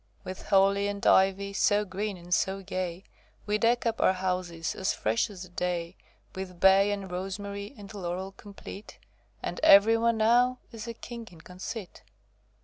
With holly and ivy So green and so gay, We deck up our houses As fresh as the day; With bay and rosemary And laurel complete; And every one now Is a king in conceit.